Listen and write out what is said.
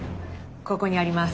ここにあります。